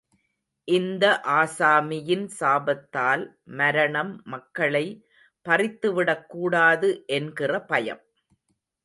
இந்த ஆசாமியின் சாபத்தால், மரணம் மகளை பறித்துவிடக் கூடாது என்கிற பயம்.